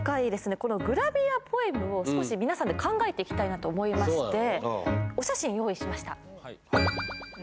このグラビアポエムを少し皆さんで考えていきたいなと思いましてお写真用意しました